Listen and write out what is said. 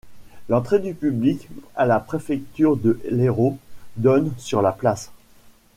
L'entrée du public à la Préfecture de l'Hérault donne sur la place.